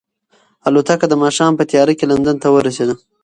الوتکه د ماښام په تیاره کې لندن ته ورسېده.